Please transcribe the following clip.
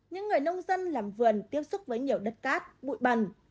những người nông dân làm vườn tiếp xúc với nhiều đất cát bụi bẩn